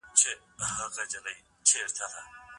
که ته له ځانه تېر شې نو حق به ومومې.